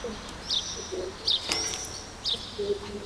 ujio wa Obama ni kujiuliza Tunajifunza nini